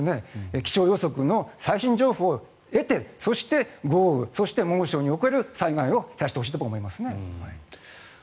気象予測の最新情報を得てそして、豪雨そして猛暑における災害を減らしてほしいと僕は思いますね。